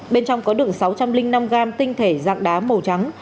bên trong có đựng sáu trăm linh năm gam tinh thể dạng đá màu trắng